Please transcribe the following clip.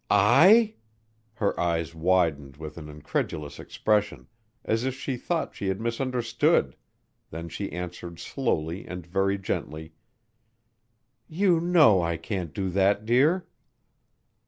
"I!" Her eyes widened with an incredulous expression as if she thought she had misunderstood, then she answered slowly and very gently, "You know I can't do that, dear."